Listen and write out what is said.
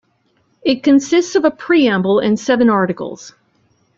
It consists of a preamble and seven articles.